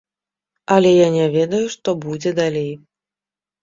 Але я не ведаю, што будзе далей.